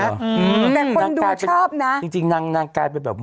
จริงเหรอแต่คนดูชอบนะจริงนางกายเป็นแบบ